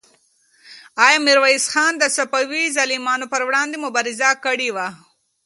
آیا میرویس خان د صفوي ظلمونو پر وړاندې مبارزه کړې وه؟